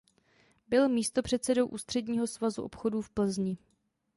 Byl místopředsedou Ústředního svazu obchodů v Plzni.